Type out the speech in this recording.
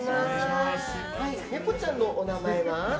ネコちゃんのお名前は？